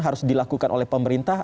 harus dilakukan oleh pemerintah